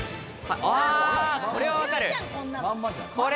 これは分かる！